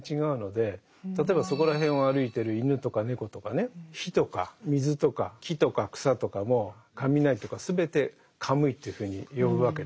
例えばそこら辺を歩いてる犬とか猫とかね火とか水とか木とか草とかもかみなりとか全てカムイというふうに呼ぶわけです。